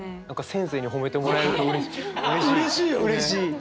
何か先生に褒めてもらえるとうれしい。